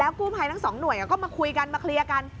กู้ภัยทั้งสองหน่วยก็มาคุยกันมาเคลียร์กัน